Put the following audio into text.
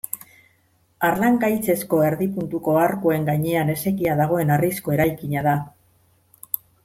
Harlangaitzezko erdi-puntuko arkuen gainean esekia dagoen harrizko eraikina da.